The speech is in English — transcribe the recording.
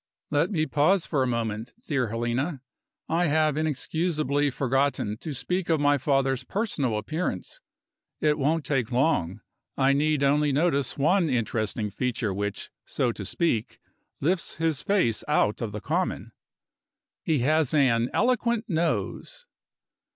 Let me pause for a moment, dear Helena. I have inexcusably forgotten to speak of my father's personal appearance. It won't take long. I need only notice one interesting feature which, so to speak, lifts his face out of the common. He has an eloquent nose.